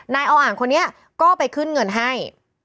อ่างคนนี้ก็ไปขึ้นเงินให้